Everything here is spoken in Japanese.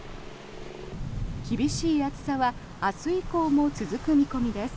厳しい暑さは明日以降も続く見込みです。